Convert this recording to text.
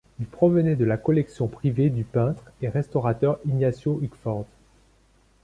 Il provenait de la collection privée du peintre et restaurateur Ignazio Hugford.